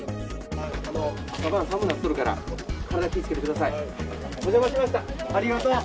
朝晩さむうなっとるから、体、気いつけてください。